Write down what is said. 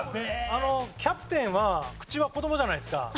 あのキャプテンは口は子供じゃないですか。